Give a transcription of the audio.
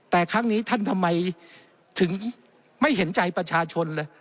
แต่ครั้งนี้ท่านทำไมถึงไม่เห็นใจประชาชนเลย